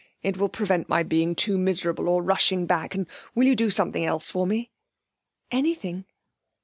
It will prevent my being too miserable, or rushing back. And will you do something else for me?' 'Anything.'